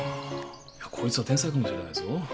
こいつは天才かもしれないぞ。